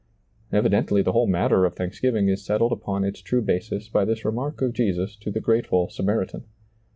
Evidently the whole matter of thanksgiving is settled upon its true basis by this remark of Jesus to the grateful Samaritan.